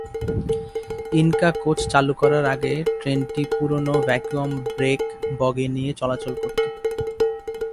Inca coach চালু করার আগে ট্রেনটি পুরানো ভ্যাকুয়াম ব্রেক বগি নিয়ে চলাচল করত।